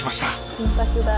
金髪だ。